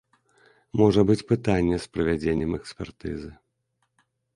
Можа быць пытанне з правядзеннем экспертызы.